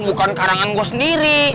bukan karangan gue sendiri